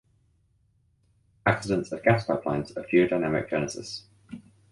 Accidents of gas pipelines of geodynamic genesis.